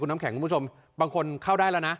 น้ำแข็งคุณผู้ชมบางคนเข้าได้แล้วนะ